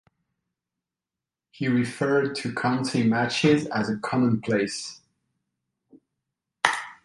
He referred to county matches "as a commonplace".